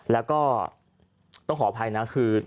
แล้วก็ต้องขออภัยนะคือ